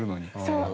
そう。